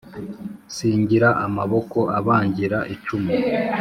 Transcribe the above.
singira amaboko abangira icumu.